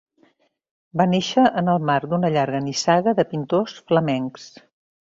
Va néixer en el marc d'una llarga nissaga de pintors flamencs.